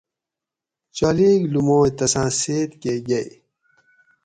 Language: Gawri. چالیک لومائ تساں سیٔت کہۤ گئ